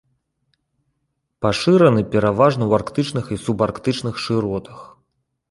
Пашыраны пераважна ў арктычных і субарктычных шыротах.